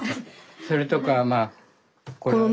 それとかまあこれ。